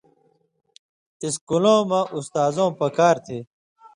اِسکُلؤں مہ اُستازؤں پکار تھی